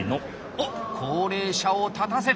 おっ高齢者を立たせた！